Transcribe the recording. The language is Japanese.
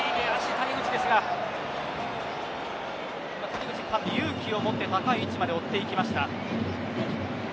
谷口ですが勇気を持って高い位置まで追っていきました。